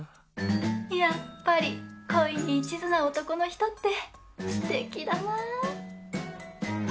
やっぱり恋に一途な男の人ってすてきだな！